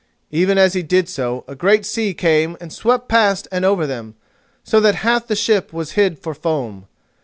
Even as he did so, a great sea came and swept past and over them, so that half the ship was hid for foam.